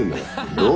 どう？